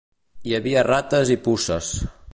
Hi havia rates i puces.